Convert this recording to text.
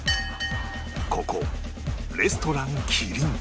ここレストランキリン